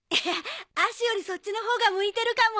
アシよりそっちのほうが向いてるかも。